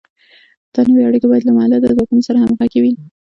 دا نوې اړیکې باید له مؤلده ځواکونو سره همغږې وي.